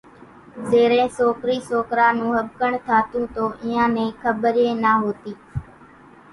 زيرين سوڪرِي سوڪرا نون ۿٻڪڻ ٿاتون تو اينيان نين کٻريئيَ نا هوتِي۔